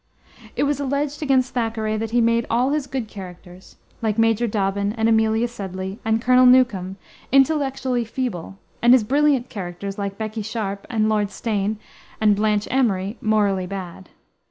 It was alleged against Thackeray that he made all his good characters, like Major Dobbin and Amelia Sedley and Colonel Newcome, intellectually feeble, and his brilliant characters, like Becky Sharp and Lord Steyne and Blanche Amory, morally bad.